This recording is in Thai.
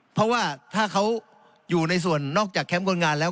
เพราะว่าถ้าเขาอยู่ในส่วนนอกจากแคมป์คนงานแล้ว